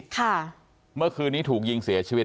ค่ะเมื่อคืนนี้ถูกยิงเสียชีวิต